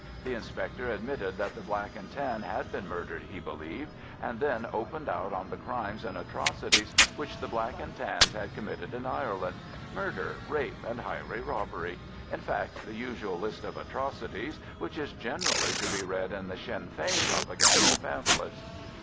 The inspector admitted that the Black and Tan had been murdered, he believed, and then opened out on the crimes and atrocities which the Black and Tans had committed in Ireland—murder, rape, and highway robbery,—in fact, the usual list of atrocities which is generally to be read in the Sinn Fein propaganda pamphlets.